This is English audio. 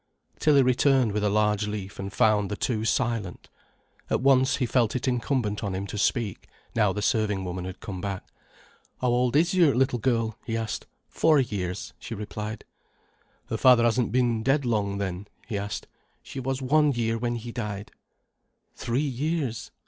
Tilly returned with a large leaf and found the two silent. At once he felt it incumbent on him to speak, now the serving woman had come back. "How old is your little girl?" he asked. "Four years," she replied. "Her father hasn't been dead long, then?" he asked. "She was one year when he died." "Three years?"